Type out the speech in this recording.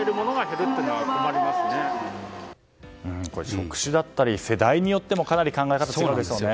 職種だったり世代によってもかなり考え方が違うんですね。